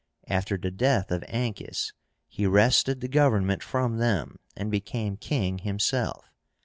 After the death of Ancus, he wrested the government from them, and became king himself.